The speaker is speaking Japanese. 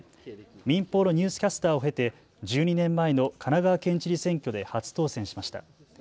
民放のニュースキャスターを経て１２年前の神奈川県知事選挙で初当選しました。